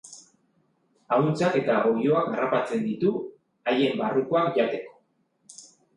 Ahuntzak eta oiloak harrapatzen ditu, haien barrukoak jateko.